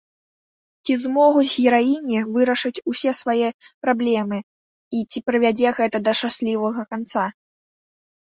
Ці змогуць гераіні вырашыць усе свае праблемы і ці прывядзе гэта да шчаслівага канца?